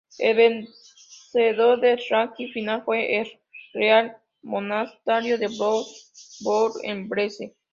El vencedor en el ranking final fue el Real monasterio de Brou en Bourg-en-Bresse.